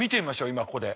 今ここで。